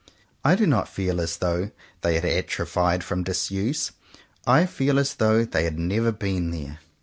I do not feel as though they had atrophied from disuse. I feel as though they had never been there.